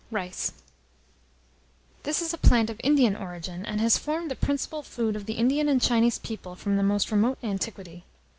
] RICE. This is a plant of Indian origin, and has formed the principal food of the Indian and Chinese people from the most remote antiquity.